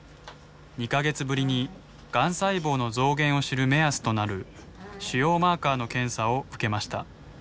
２か月ぶりにがん細胞の増減を知る目安となる腫瘍マーカーの検査を受けました。